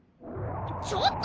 ちょっと！